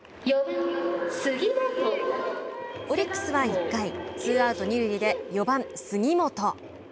オリックスは１回ツーアウト、二塁で４番杉本。